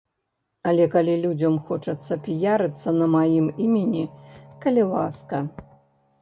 Але, калі людзям хочацца піярыцца на маім імені, калі ласка.